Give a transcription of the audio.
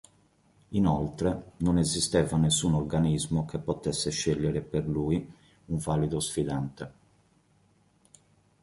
Inoltre, non esisteva nessun organismo che potesse scegliere per lui un valido sfidante.